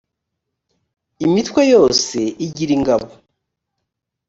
imitwe yose igira ingabo.